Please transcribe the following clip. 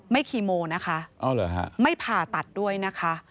คีโมนะคะไม่ผ่าตัดด้วยนะคะ